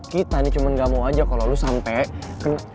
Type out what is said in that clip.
kita nih cuman gak mau aja kalo lo sampe kena